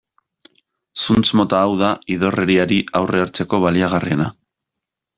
Zuntz mota hau da idorreriari aurre hartzeko baliagarriena.